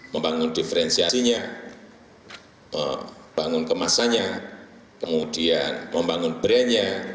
membangun diferensiasinya membangun kemasannya kemudian membangun brand nya